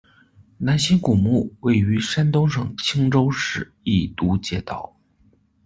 南辛古墓，位于山东省青州市益都街道。